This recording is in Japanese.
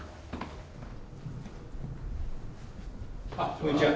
こんにちは。